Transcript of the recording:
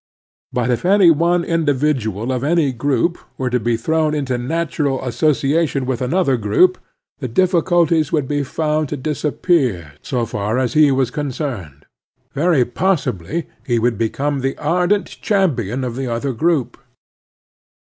But if any one individual of any group were to be thrown into natural association with another group, the diffictdties wotdd be found to disappear so far as he was concerned. Very possibly he wotdd become the ardent champion of the other group.